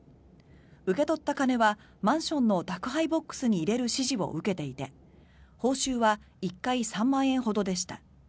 受け取った金はマンションの宅配ボックスに入れる指示を受けていて報酬は１回３万円ほどでした。